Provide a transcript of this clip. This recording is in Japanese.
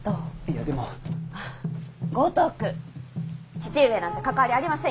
父上なんて関わりありませんよ。